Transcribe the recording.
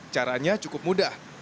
caranya cukup mudah